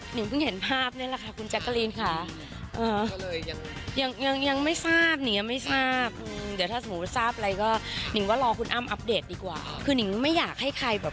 หนึ่งเห็นภาพนี้ละคะคุณจักรีนค่ะ